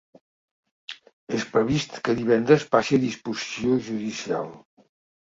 És previst que divendres passi a disposició judicial.